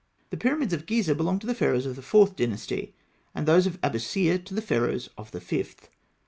] The pyramids of Gizeh belonged to the Pharaohs of the Fourth Dynasty, and those of Abûsir to the Pharaohs of the Fifth.